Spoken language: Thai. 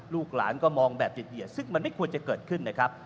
ลูกหลานก็มองแบบเหยียดซึ่งมันไม่ควรจะเกิดขึ้นนะครับ